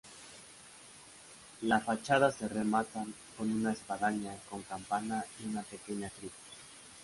La fachada se remata con una espadaña con campana y una pequeña cruz.